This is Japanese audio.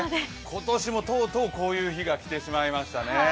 今年もとうとう、こういう日が来てしまいましたね。